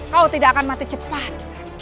kau tidak akan mati cepat